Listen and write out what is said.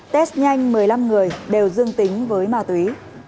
test nhanh một mươi năm người đều dương tính với ma túy